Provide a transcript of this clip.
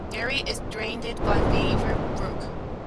Derry is drained by Beaver Brook.